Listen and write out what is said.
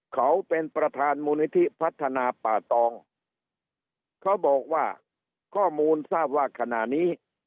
เขาเป็นประธานมูลนิธิพัฒนาป่าตองเขาบอกว่าข้อมูลทราบว่าขณะนี้